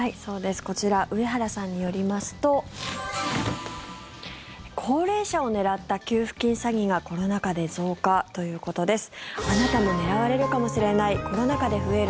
こちら上原さんによりますと高齢者を狙った給付金詐欺がコロナ禍で増加ということです。